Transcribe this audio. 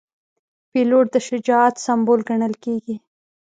پیلوټ د شجاعت سمبول ګڼل کېږي.